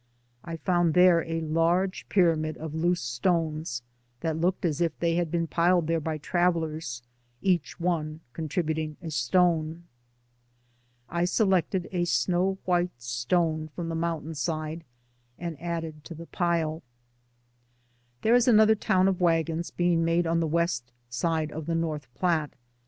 I found there a large pyramid of loose stones that looked as if they had been piled i64 DAYS ON THE ROAD. there by travelers, each one contributing a stone. I selected a snow white stone from the mountain side and added to the pile. There is another town of wagons being made on the west side of the North Platte.